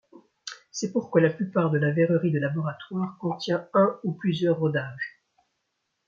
C'est pourquoi la plupart de la verrerie de laboratoire contient un ou plusieurs rodages.